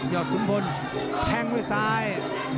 ยอดขุมพลแทงด้วยสาย